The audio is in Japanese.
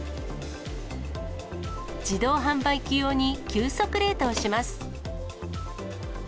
自動販売機用に急速冷凍します。